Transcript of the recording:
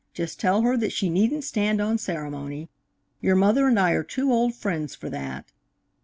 Just tell her that she needn't stand on ceremony. Your mother and I are too old friends for that.